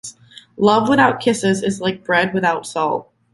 Love without kisses is like bread without salt.